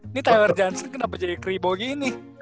ini tyler johnson kenapa jadi keribau gini